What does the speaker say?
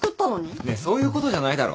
ねえそういうことじゃないだろ。